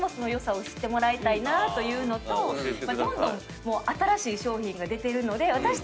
というのとどんどん新しい商品が出てるので。